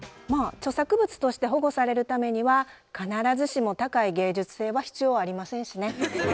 まあ著作物として保護されるためには必ずしも高い芸術性は必要ありませんしね。